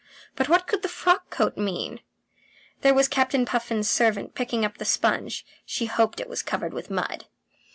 But what could the frock coat mean? (There was Captain Puffin's servant picking up the sponge. She hoped it was covered with mud.)